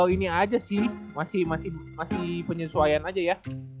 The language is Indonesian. ini aja sih masih penyesuaian aja ya